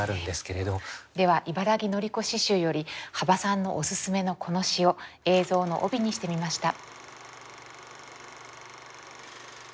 では茨木のり子詩集より幅さんのオススメのこの詩を映像の帯にしてみました。